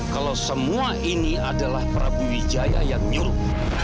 kalau semua ini adalah prabu wijaya yang nyuruh